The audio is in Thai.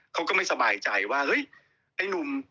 เขาก็ไม่สบายใจว่าเฮ้ยไอ้หนุ่ม